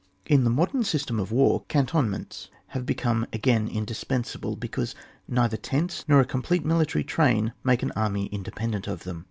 Ik the modem system of war cantonments have become again indispensable, because neither tents nor a complete military train make an army independent of them.